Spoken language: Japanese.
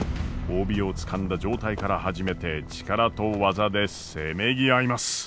帯をつかんだ状態から始めて力と技でせめぎ合います。